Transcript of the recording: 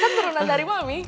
kan turunan dari mami